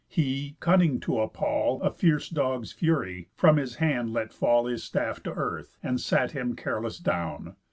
He, cunning to appall A fierce dog's fury, from his hand let fall His staff to earth, and sat him careless down.